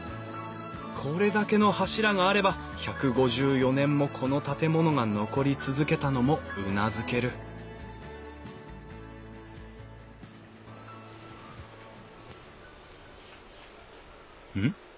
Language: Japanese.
これだけの柱があれば１５４年もこの建物が残り続けたのもうなずけるうん？